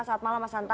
saat malam mas hanta